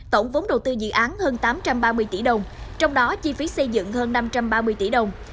tổng vốn đầu tư dự án hơn tám trăm ba mươi tỷ đồng trong đó chi phí xây dựng hơn năm trăm ba mươi tỷ đồng